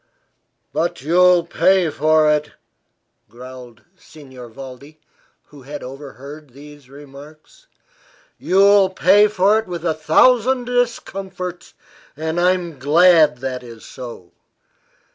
"But you'll pay for it!" growled Signor Valdi, who had overheard these remarks. "You will pay for it with a thousand discomforts and I'm glad that is so.